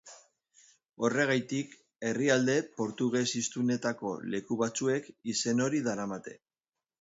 Horregatik herrialde portuges-hiztunetako leku batzuek izen hori daramate.